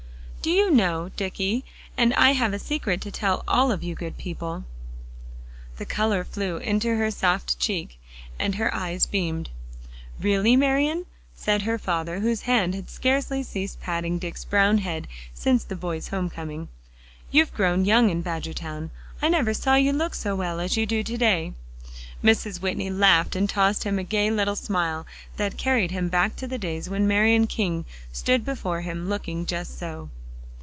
"Do you know, Dicky and I have a secret to tell all of you good people." The color flew into her soft cheek, and her eyes beamed. "Really, Marian," said her father, whose hand had scarcely ceased patting Dick's brown head since the boy's home coming, "you've grown young in Badgertown. I never saw you look so well as you do to day." Mrs. Whitney laughed and tossed him a gay little smile, that carried him back to the days when Marian King stood before him looking just so.